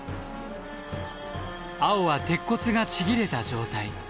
青は鉄骨がちぎれた状態。